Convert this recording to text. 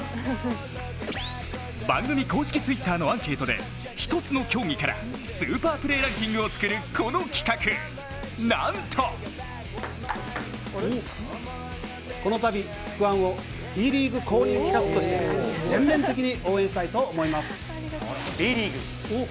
番組公式Ｔｗｉｔｔｅｒのアンケートで１つの競技からスーパープレーランキングを作るこの企画、なんとこのたび、「つくワン」をＴリーグ公認企画として全面的に応援したいと思います！